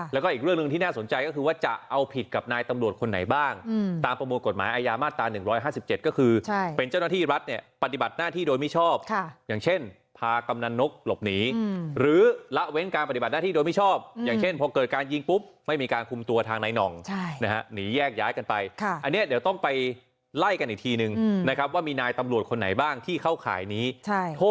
แล้วก็อีกเรื่องนึงที่น่าสนใจก็คือว่าจะเอาผิดกับนายตำรวจคนไหนบ้างตามประมวลกฎหมายอายามาตรา๑๕๗ก็คือเป็นเจ้าหน้าที่รัฐเนี่ยปฏิบัติหน้าที่โดยมิชอบอย่างเช่นพากำหนันนกหลบหนีหรือละเว้นการปฏิบัติหน้าที่โดยมิชอบอย่างเช่นพอเกิดการยิงปุ๊บไม่มีการคุมตัวทางนายหน่องนะครับหนีแยก